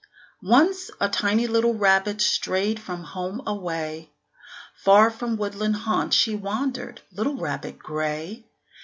Once a tiny little rabbit strayed from home away; Far from woodland haunts she wandered, little rabbit gray.